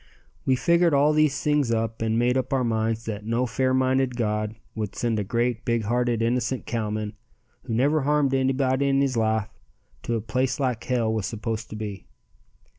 We figured all these things up and made up our minds that no fair minded God would send a great, big hearted, innocent cowman, who never harmed anybody in his life, to a place like hell was supposed to be.